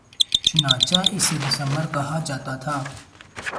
چنانچہ اسے دسمبر کہا جاتا تھا